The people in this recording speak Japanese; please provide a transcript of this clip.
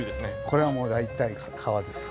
これはもう大体川です。